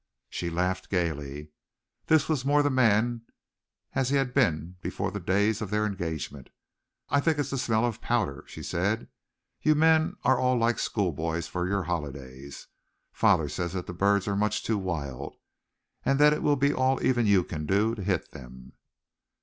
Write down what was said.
She laughed gayly. This was more the man as he had been before the days of their engagement! "I think it is the smell of the powder," she said. "You men are all like schoolboys for your holidays. Father says that the birds are much too wild, and that it will be all even you can do to hit them."